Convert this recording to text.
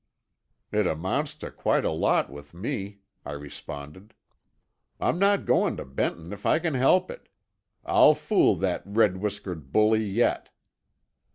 "It amounts to quite a lot with me," I responded. "I'm not going to Benton if I can help it. I'll fool that red whiskered bully yet."